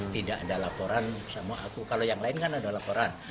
tidak ada laporan sama aku kalau yang lain kan ada laporan